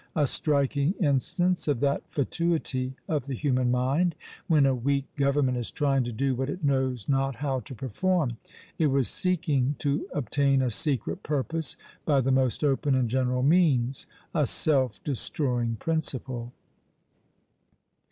A striking instance of that fatuity of the human mind, when a weak government is trying to do what it knows not how to perform: it was seeking to obtain a secret purpose by the most open and general means: a self destroying principle!